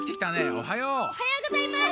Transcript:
おはようございます！